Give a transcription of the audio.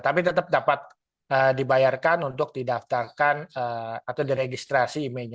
tapi tetap dapat dibayarkan untuk didaftarkan atau diregistrasi emailnya